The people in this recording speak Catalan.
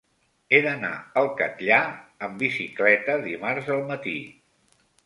He d'anar al Catllar amb bicicleta dimarts al matí.